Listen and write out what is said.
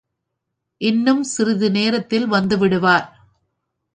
இன்னும் சிறிது நேரத்தில் வந்துவிடுவார்.